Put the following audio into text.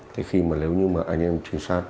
thế khi mà nếu như mà anh em trinh sát